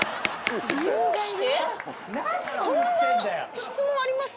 そんな質問あります